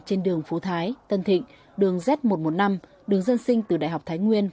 trên đường phú thái tân thịnh đường z một trăm một mươi năm đường dân sinh từ đại học thái nguyên